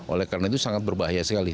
oleh karena itu sangat berbahaya sekali